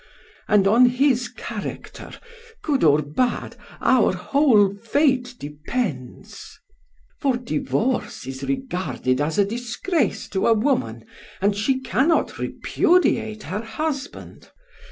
And on his character, good or bad, our whole fate depends. For divorce is regarded as a disgrace to a woman and she cannot repudiate her husband.